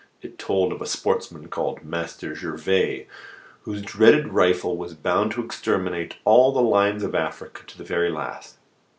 It told of a sportsman called "Master Gervais," whose dreaded rifle was bound to exterminate all the lions in Africa to the very last.